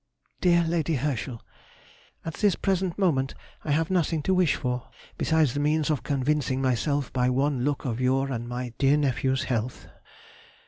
DEAR LADY HERSCHEL,— At this present moment I have nothing to wish for, besides the means of convincing myself by one look of your and my dear nephew's health.